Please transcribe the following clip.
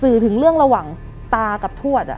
สื่อถึงเรื่องระหว่างตากับทวด